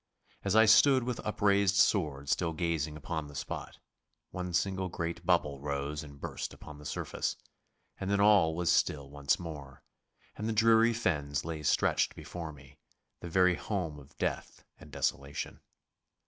As I stood with upraised sword still gazing upon the spot, one single great bubble rose and burst upon the surface, and then all was still once more, and the dreary fens lay stretched before me, the very home of death and of desolation.